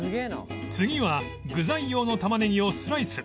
次は具材用のタマネギをスライス